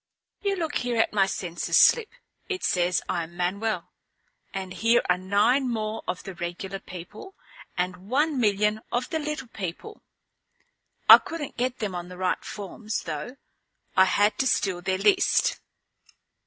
"You look here at my census slip. It says I'm Manuel. And here are nine more of the regular people, and one million of the little people. I couldn't get them on the right forms, though. I had to steal their list."